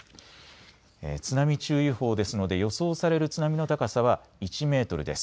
津波注意報ですので予想される津波の高さは１メートルです。